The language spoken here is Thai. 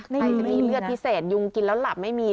ใครจะมีเลือดพิเศษยุงกินแล้วหลับไม่มี